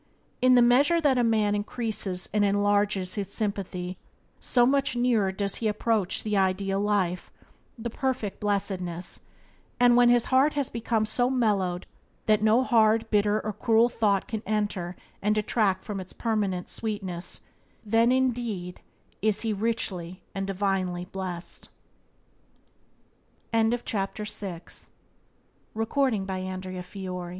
In the measure that a man increases and enlarges his sympathy so much nearer does he approach the ideal life, the perfect blessedness; and when his heart has become so mellowed that no hard, bitter, or cruel thought can enter and detract from its permanent sweetness, then indeed is he richly and divinely bless